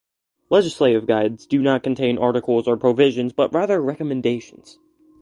Legislative guides do not contain articles or provisions, but rather recommendations.